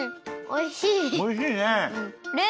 おいしいね。